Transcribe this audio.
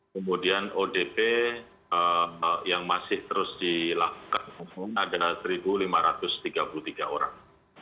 kemudian odp yang masih terus dilakukan adalah satu lima ratus tiga puluh tiga orang